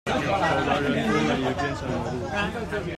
走的人多了，也便成了路